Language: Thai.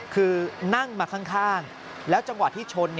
คือนั่งมาข้างแล้วจังหวะที่ชน